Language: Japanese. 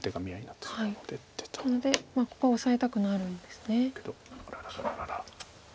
なのでここはオサえたくなるんですね。けどあらら。